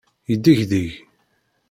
Yeddegdeg.